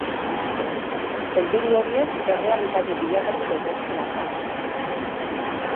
Helburu horiek errealitate bilakatu daitezke laster.